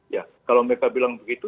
ya kalau mereka bilang begitu